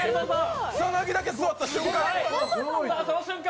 草薙だけ座った瞬間